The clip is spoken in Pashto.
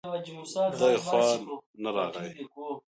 دغې خوا نه راغی